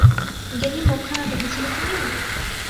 গ্যারির মুখখানা দেখেছিলে তুমি?